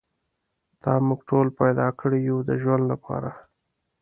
تا موږ ټول پیدا کړي یو د ژوند لپاره.